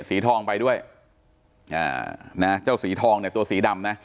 สีทองไปด้วยอ่านะเจ้าสีทองเนี่ยตัวสีดำนะ